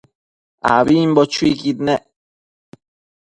ambimbo chuiquid nec